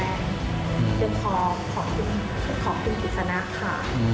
เดินขอขอบคุณขอบคุณภิกษณะค่ะ